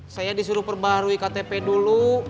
saya disuruh perbarui ktp dulu